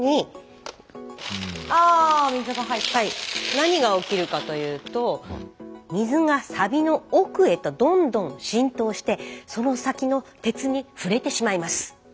何が起きるかというと水がサビの奥へとどんどん浸透してその先の鉄に触れてしまいます。